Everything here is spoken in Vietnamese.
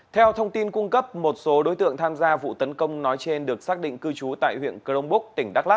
theo thông tin cung cấp một số đối tượng tham gia vụ tấn công nói trên được xác định cư trú tại huyện crong búc tỉnh đắk lắc